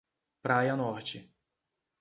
Praia Norte